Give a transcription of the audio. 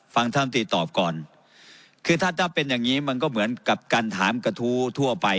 ฟังท่านตีตอบก่อนคือถ้าถ้าเป็นอย่างงี้มันก็เหมือนกับการถามกระทู้ทั่วไป